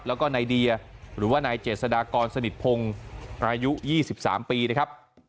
แล้วก็นายเดียหรือว่านายเจษฎากรสนิทพงศ์อายุ๒๓ปีนะครับ